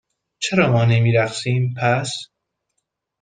چرا ما نمی رقصیم، پس؟